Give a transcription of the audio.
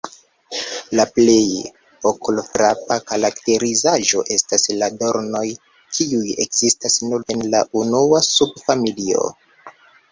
La plej okulfrapa karakterizaĵo estas la dornoj kiuj ekzistas nur en la unua subfamilio.